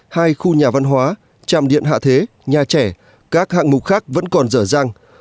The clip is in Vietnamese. hai khu nhà văn hóa tràm điện hạ thế nhà trẻ các hạng mục khác vẫn còn dở dàng